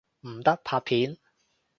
唔得，拍片！